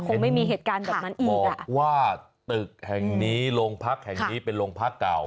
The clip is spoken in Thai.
คงไม่มีเหตุการณ์แบบนั้นอีกบอกว่าตึกแห่งนี้โรงพักแห่งนี้เป็นโรงพักเก่า